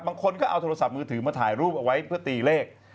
บางคนก็เอาโทรศัพท์มือถือมาถ่ายรูปเอาไว้เพื่อตีเลข